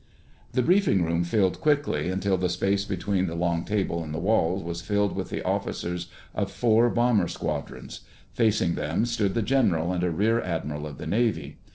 The briefing room filled quickly, until the space between the long table and the walls was filled with the officers of four bomber squadrons. Facing them stood the general and a rear admiral of the Navy.